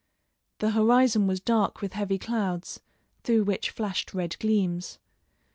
The horizon was dark with heavy clouds, through which flashed red gleams.